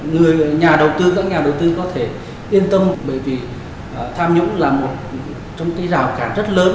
người nhà đầu tư các nhà đầu tư có thể yên tâm bởi vì tham nhũng là một trong cái rào cản rất lớn